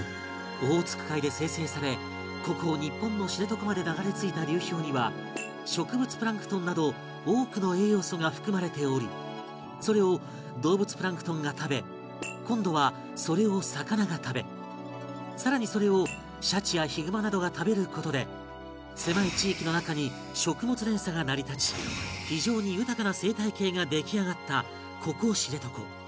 オホーツク海で生成されここ日本の知床まで流れ着いた流氷には植物プランクトンなど多くの栄養素が含まれておりそれを動物プランクトンが食べ今度はそれを魚が食べさらにそれをシャチやヒグマなどが食べる事で狭い地域の中に食物連鎖が成り立ち非常に豊かな生態系が出来上がったここ知床